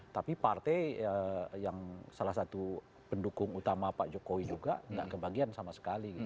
tapi partai yang salah satu pendukung utama pak jokowi juga nggak kebagian sama sekali